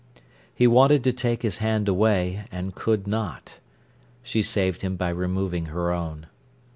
He wanted to take his hand away, and could not. She saved him by removing her own.